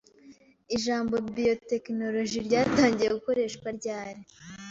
Ijambo "biotechnologie" ryatangiye gukoreshwa ryari?